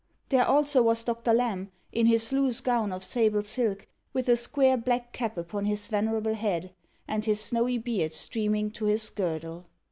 There also was Doctor Lamb, in his loose gown of sable silk, with a square black cap upon his venerable head, and his snowy beard streaming to his girdle.